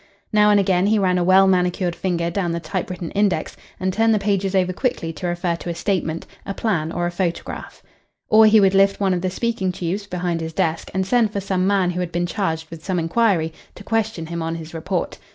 Now and again he ran a well manicured finger down the type written index and turned the pages over quickly to refer to a statement, a plan, or a photograph. Or he would lift one of the speaking tubes behind his desk and send for some man who had been charged with some inquiry, to question him on his report.